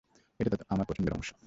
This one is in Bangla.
ওটা তো আমার পছন্দের অংশ।